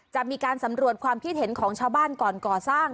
จะมีการสำรวจความคิดเห็นของชาวบ้านก่อนก่อสร้าง